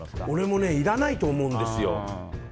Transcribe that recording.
俺もいらないと思うんですよ。